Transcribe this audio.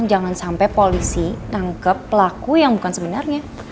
jangan sampai polisi tangkep pelaku yang bukan sebenarnya